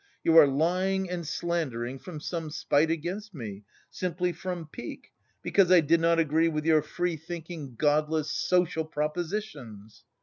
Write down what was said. You are lying and slandering from some spite against me, simply from pique, because I did not agree with your free thinking, godless, social propositions!"